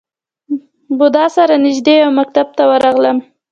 بودا سره نژدې یو مکتب ته ورغلم.